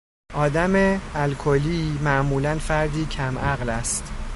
آدم الکلی معمولا فردی کم عقل است.